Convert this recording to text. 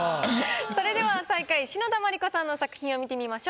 それでは最下位篠田麻里子さんの作品を見てみましょう。